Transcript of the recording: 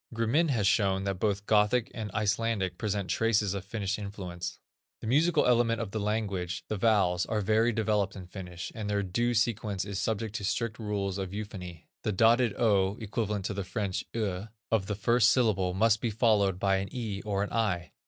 Grimin has shown that both Gothic and Icelandic present traces of Finnish influence. The musical element of a language, the vowels, are well developed in Finnish, and their due sequence is subject to strict rules of euphony. The dotted ö (equivalent to the French eu) of the first syllable must be followed by an e or an i.